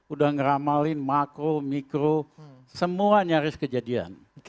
udah ngeramalin makro mikro semua nyaris kejadian